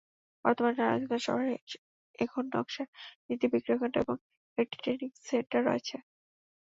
বর্তমানে নারায়ণগঞ্জ শহরে এখন নকশার তিনটি বিক্রয়কেন্দ্র এবং একটি ট্রেনিং সেন্টার রয়েছে।